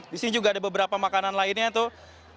disini juga ada beberapa makanan lainnya tuh